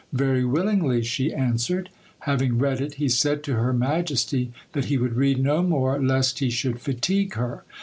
"Very willingly," she answered. Having read it, he said to her majesty, that he would read no more lest he should fatigue her.